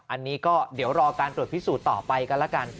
อันนี้ก็เดี๋ยวรอการตรวจพิสูจน์ต่อไปกันแล้วกัน